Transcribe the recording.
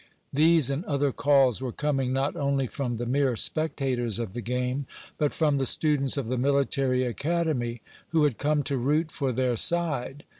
These and other calls were coming not only from the mere spectators of the game, but from the students of the military academy who had come to root for their side.